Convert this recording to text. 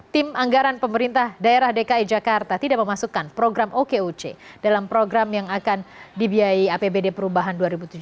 tim anggaran pemerintah daerah dki jakarta tidak memasukkan program okoc dalam program yang akan dibiayai apbd perubahan dua ribu tujuh belas